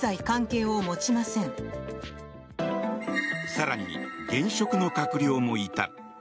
更に現職の閣僚もいた。